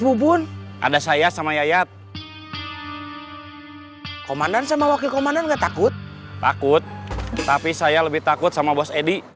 hubun ada saya sama yayat komandan sama wakil komandan enggak takut takut tapi saya lebih takut sama bos edy